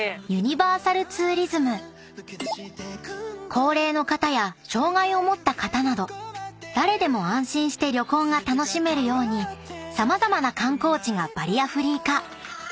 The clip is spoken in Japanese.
［高齢の方や障害を持った方など誰でも安心して旅行が楽しめるように様々な観光地がバリアフリー化］